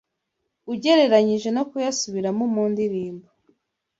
ugereranyije no kuyasubiramo mu ndirimbo